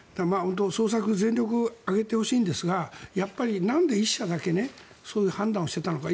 捜索全力を挙げてほしいんですがやっぱりなんで１社だけそういう判断をしていたのか。